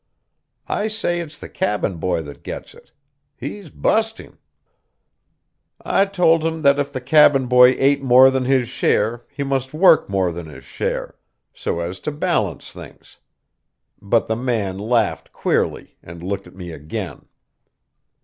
I says it's the cabin boy that gets it. He's bu'sting." I told him that if the cabin boy ate more than his share, he must work more than his share, so as to balance things. But the man laughed queerly, and looked at me again.